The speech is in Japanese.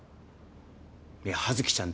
いや羽月ちゃん